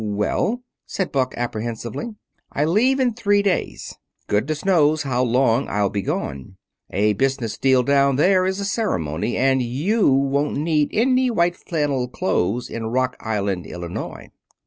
"Well?" said Buck apprehensively. "I leave in three days. Goodness knows how long I'll be gone! A business deal down there is a ceremony. And you won't need any white flannel clothes in Rock Island, Illinois."